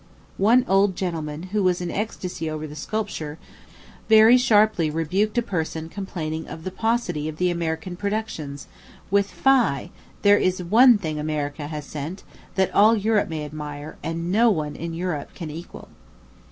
One old gentleman, who was in an ecstasy over the sculpture, very sharply rebuked a person complaining of the paucity of the American productions, with "Fie, there is one thing America has sent, that all Europe may admire, and no one in Europe can equal."